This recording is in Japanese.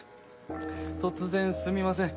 突然すみません。